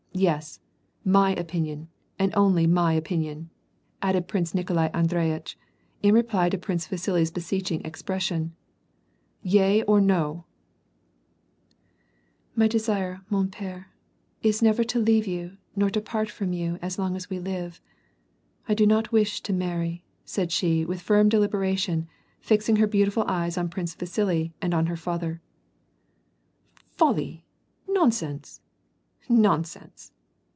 Yes, mj opinion, and only my opinion," added Prince Nikolai Andreyitch, in reply to Prince Vasili's beseeching expression " Yea or no ?"" My desire, mon p^re, is never to leave you, never to part from you as long as we live. I do not wish to marry," said she with firm deliberation, fixing her beautiful eyes on Prince Vasili and on her father. "Folly ! nonsense ! nonsense